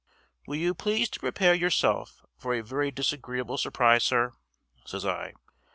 "Will you please to prepare yourself for a very disagreeable surprise, sir?" says I.